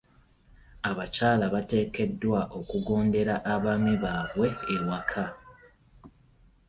Abakyala bateekeddwa okugondera abaami baabwe ewaka.